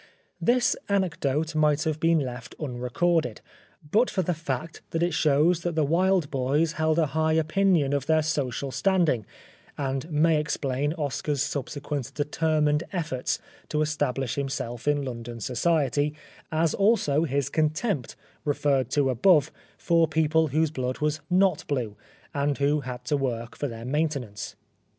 This anecdote might have been left unrecorded, but for the fact that it shows that the Wilde boys held a high opinion of their social standing, and may explain Oscar's subsequent determined io8 The Life of Oscar Wilde efforts to establish himself in London society, as also his contempt, referred to above, for people whose blood was not blue, and who had to work for their maintenance.